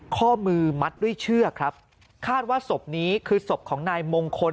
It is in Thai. ข้อมือมัดด้วยเชือกครับคาดว่าศพนี้คือศพของนายมงคล